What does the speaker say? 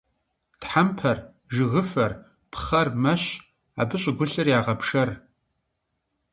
Тхьэмпэр, жыгыфэр, пхъэр мэщ, абы щӀыгулъыр ягъэпшэр.